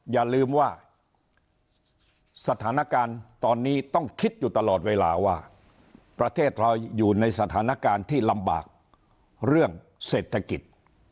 อย่าลืมว่าสถานการณ์ตอนนี้ต้องคิดอยู่ตลอดเวลาว่าประเทศเราอยู่ในสถานการณ์ที่ลำบากเรื่องเศรษฐกิจ